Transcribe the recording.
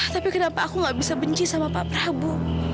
tapi kenapa aku gak bisa benci sama pak prabu